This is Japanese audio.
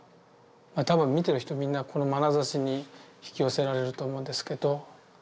多分見てる人みんなこのまなざしに引き寄せられると思うんですけど。